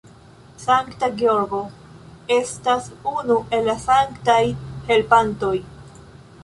Sankta Georgo estas unu el la sanktaj helpantoj.